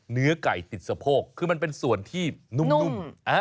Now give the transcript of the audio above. เนื้อไก่ติดสะโพกคือมันเป็นส่วนที่นุ่ม